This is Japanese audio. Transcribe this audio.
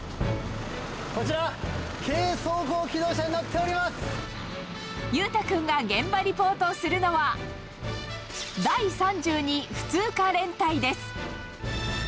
こちら、裕太君が現場リポートするのは、第３２普通科連隊です。